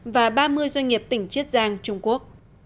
và ba mươi doanh nghiệp tỉnh chiết giang trung quốc